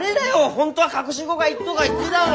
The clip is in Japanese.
本当は隠し子がいっとが言ってだの！